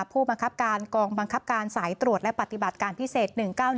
ผู้บังคับการกองบังคับการสายตรวจและปฏิบัติการพิเศษ๑๙๑